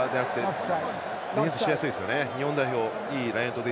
ディフェンスしやすいですよね。